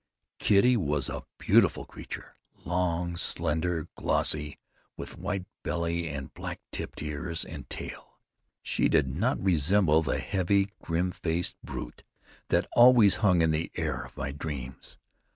Kitty was a beautiful creature, long, slender, glossy, with white belly and black tipped ears and tail. She did not resemble the heavy, grim faced brute that always hung in the air of my dreams.